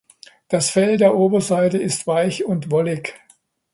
Das Fell der Oberseite ist weich und wollig.